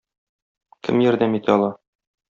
Кем ярдәм итә ала?